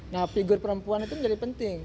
nah figur perempuan itu menjadi penting